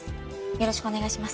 よろしくお願いします。